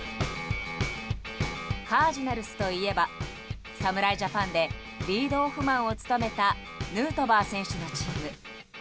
カージナルスといえば侍ジャパンでリードオフマンを務めたヌートバー選手のチーム。